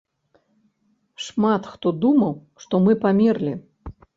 Шмат хто думаў, што мы памерлі.